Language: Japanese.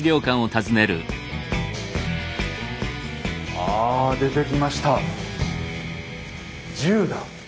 あ出てきました。